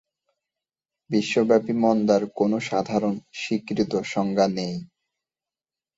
বিশ্বব্যাপী মন্দার কোনও সাধারণভাবে স্বীকৃত সংজ্ঞা নেই।